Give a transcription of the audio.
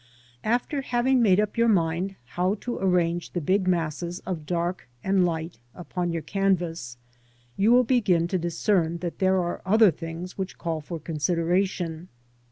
After having made up your mind how to arrange the big masses of dark and light upon your canvas, you will begin to discern that there are other things which call for consideration.